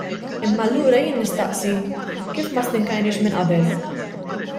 Imma allura jien nistaqsi: Kif ma stinkajniex minn qabel?